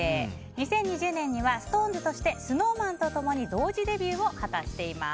２０２０年にはＳｉｘＴＯＮＥＳとしてＳｎｏｗＭａｎと共に同時デビューを果たしています。